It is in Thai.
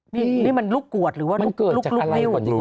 นี่มันลูกกวดหรือว่าลูกนิ้วมันเกิดจากอะไรจริงว่ะ